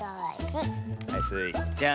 はいスイちゃん。